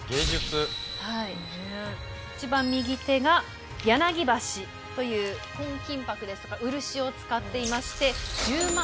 一番右手が「柳橋」という本金箔ですとか漆を使っていまして。